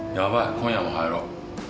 今夜も入ろう。